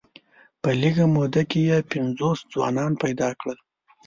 په لږه موده کې یې پنځوس ځوانان پیدا کړل.